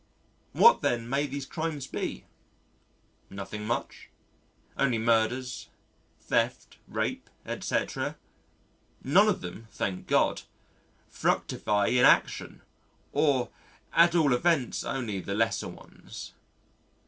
What, then, may these crimes be? Nothing much only murders, theft, rape, etc. None of them, thank God; fructify in action or at all events only the lesser ones.